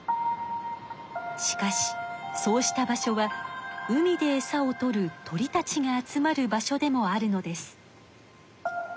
しかしそうした場所は海でえさをとる鳥たちが集まる場所でもあるのです。